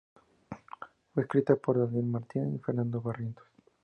Fue escrita por Daniel Martín y Fernando Barrientos.